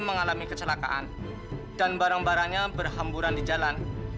mengalami kecelakaan dan barang barangnya berhamburan di jalan